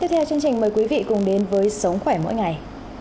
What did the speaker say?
tiếp theo chương trình mời quý vị cùng đến với sống khỏe mỗi ngày